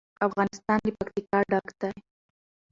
افغانستان له پکتیکا ډک دی.